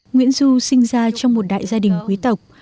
nguyễn du sinh ra trong một đại gia đình quý tộc